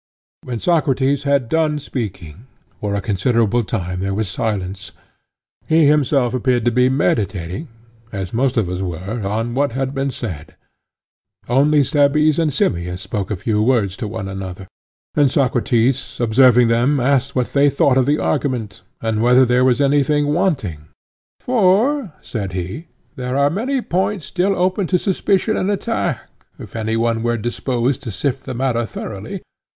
When Socrates had done speaking, for a considerable time there was silence; he himself appeared to be meditating, as most of us were, on what had been said; only Cebes and Simmias spoke a few words to one another. And Socrates observing them asked what they thought of the argument, and whether there was anything wanting? For, said he, there are many points still open to suspicion and attack, if any one were disposed to sift the matter thoroughly.